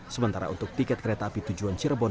sementara untuk tiket kereta api tujuan cirebon